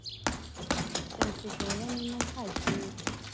صنفي ټولنې منحل شوې.